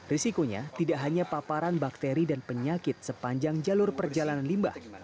risikonya tidak hanya paparan bakteri dan penyakit sepanjang jalur perjalanan limbah